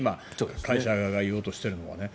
会社側が言おうとしているのは。